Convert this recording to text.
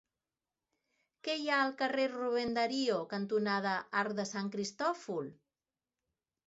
Què hi ha al carrer Rubén Darío cantonada Arc de Sant Cristòfol?